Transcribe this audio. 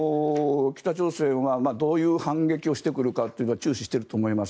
北朝鮮はどういう反撃をしてくるかということを注視していると思います。